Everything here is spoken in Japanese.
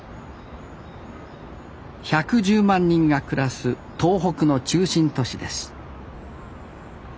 １１０万人が暮らす東北の中心都市です